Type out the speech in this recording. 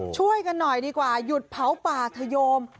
ช่วยกันหน่อยดีกว่าหยุดเผาป่าเถอะโยม